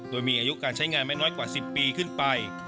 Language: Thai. โดยมีอายุการใช้งานไม่น้อยกว่า๑๐ปีขึ้นไป